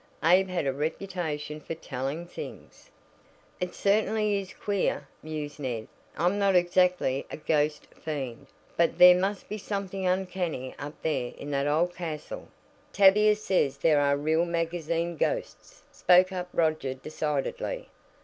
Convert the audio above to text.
Abe had a reputation for "telling things." "It certainly is queer," mused Ned. "I'm not exactly a ghost fiend, but there must be something uncanny up there in that old castle." "Tavia says there are real magazine ghosts," spoke up Roger decidedly.